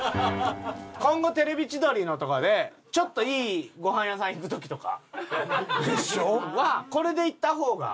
今後『テレビ千鳥』のとかでちょっといいごはん屋さん行く時とかはこれで行った方が。